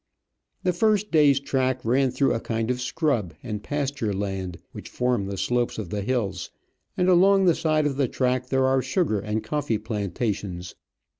The first day's track ran through a kind of scrub and pasture land, which form the slopes of the hills, and along the side of the track there are sugar and coffee plantations.